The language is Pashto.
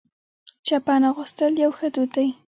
چپن اغوستل یو ښه دود دی.